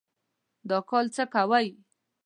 دا کال څه کوئ؟